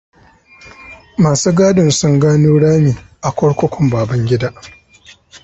Masu gadin sun gano rami a kurkukun Babangida.